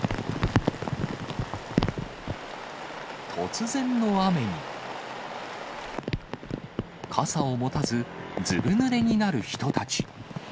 突然の雨に、傘を持たず、ずぶぬれになる人たち。